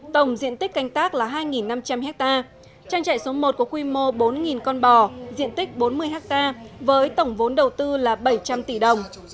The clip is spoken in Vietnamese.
tổng diện tích canh tác là hai năm trăm linh ha trang trại số một có quy mô bốn con bò diện tích bốn mươi ha với tổng vốn đầu tư là bảy trăm linh tỷ đồng